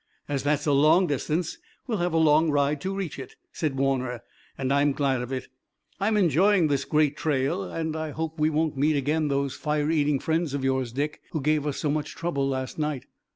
"As that's a long distance, we'll have a long ride to reach it," said Warner, "and I'm glad of it. I'm enjoying this great trail, and I hope we won't meet again those fire eating friends of yours, Dick, who gave us so much trouble last night."